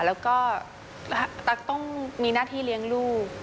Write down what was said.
แล้วก็ตั๊กต้องมีหน้าที่เลี้ยงลูก